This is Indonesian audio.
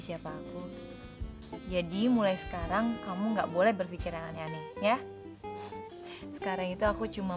siapa aku jadi mulai sekarang kamu nggak boleh berpikir yang aneh aneh ya sekarang itu aku cuma